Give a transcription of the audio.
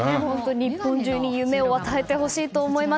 日本中に夢を与えてほしいと思います。